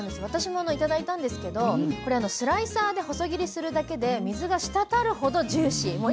私も頂いたんですけどこれスライサーで細切りするだけで水が滴るほどジューシー。